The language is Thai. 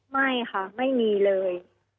ไม่ค่ะไม่มีเลย